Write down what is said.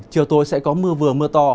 chiều tối sẽ có mưa vừa mưa to